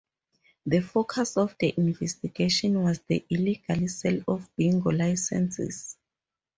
The focus of the investigation was the illegal sale of bingo licenses.